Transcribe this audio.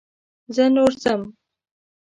زه نور ځم.